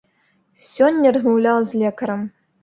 Сёння размаўляла з лекарам.